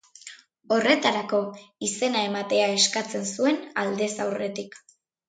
Horretarako, izena ematea eskatzen zuen aldez aurretik.